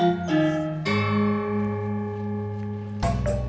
alia gak ada ajak rapat